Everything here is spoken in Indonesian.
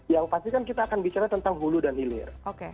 yang pasti kan kita akan bicara tentang hulu dan hilir